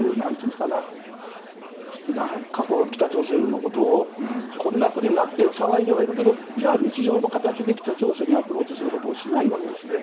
ですから、北朝鮮のことをこんなふうに騒いでいるけど日常の形で北朝鮮にアプローチをしないわけですね。